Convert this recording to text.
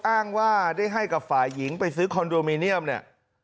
อ้างว่าได้ให้กับฝ่ายหญิงไปซื้อคอนโดมิเนียมเนี่ย